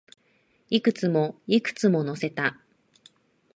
いくつも、いくつも乗せた